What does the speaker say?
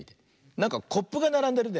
なんかコップがならんでるね。